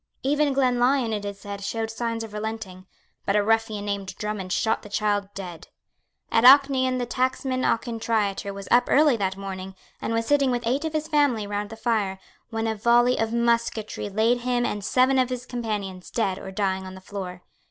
Even Glenlyon, it is said, showed signs of relenting; but a ruffian named Drummond shot the child dead. At Auchnaion the tacksman Auchintriater was up early that morning, and was sitting with eight of his family round the fire, when a volley of musketry laid him and seven of his companions dead or dying on the floor.